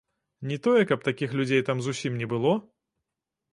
Не тое каб такіх людзей там зусім не было.